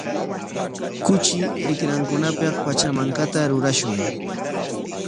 Kuchi rikrankunapik pachamankata rurashun.